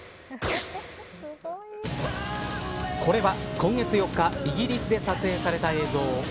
これは、今月４日イギリスで撮影された映像。